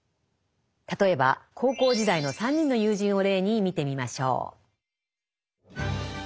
例えば高校時代の３人の友人を例に見てみましょう。